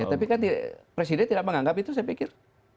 tapi kan presiden tidak menganggap itu saya pikir